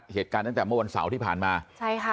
เหตุการณ์ตั้งแต่เมื่อวันเสาร์ที่ผ่านมาใช่ค่ะ